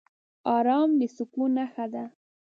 ارام د سکون نښه ده.